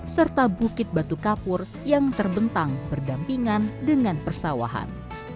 serta bukit batu kapur yang terbentang berdampingan dengan persawahan